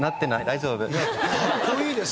大丈夫！